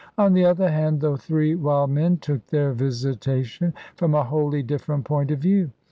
On the other hand, the three wild men took their visitation from a wholly different point of view.